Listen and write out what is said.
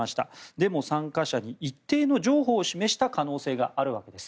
デモ参加者に一定の譲歩を示した可能性があるわけです。